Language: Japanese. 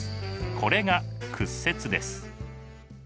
これが屈折です。